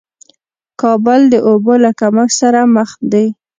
کابل د اوبو له کمښت سره مخ دې